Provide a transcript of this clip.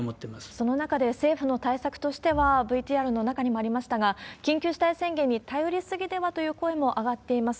その中で政府の対策としては、ＶＴＲの中にもありましたが、緊急事態宣言に頼り過ぎではという声も上がっています。